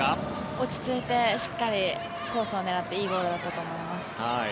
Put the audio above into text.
落ち着いてしっかりとコースを狙っていいボールだったと思います。